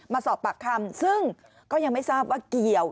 มาสอบปากคำซึ่งก็ยังไม่ทราบว่าเกี่ยว